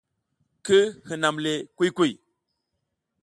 Ki hinam le kuy kuy.